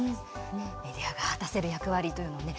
メディアが果たせる役割というのをね